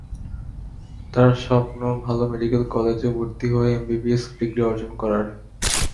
তাঁর স্বপ্ন, ভালো মেডিকেল কলেজে ভর্তি হয়ে এমবিবিএস ডিগ্রি অর্জন করার।